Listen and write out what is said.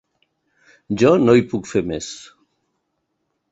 Jo no hi puc fer més.